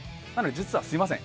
実は、すみません。